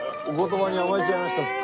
お言葉に甘えちゃいました。